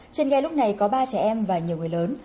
trên ghe lúc này có ba trẻ em và nhiều người lớn